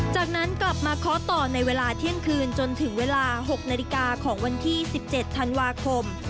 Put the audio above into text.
จากนั้นกลับมาเคาะต่อในเวลาเที่ยงคืนจนถึงเวลา๖นาฬิกาของวันที่๑๗ธันวาคม